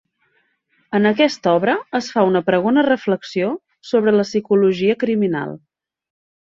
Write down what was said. En aquesta obra es fa una pregona reflexió sobre la psicologia criminal.